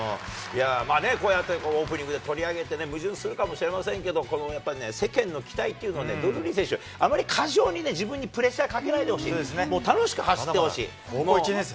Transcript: まあね、こうやってオープニングで取り上げてね、矛盾するかもしれませんけど、このやっぱりね、世間の期待というのをドルーリー選手、あまり過剰にね、自分にプレッシャーかけないでほしい、高校１年生。